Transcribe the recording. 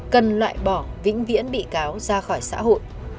cần loại bỏ vĩnh viễn bị cáo ra khỏi xã hội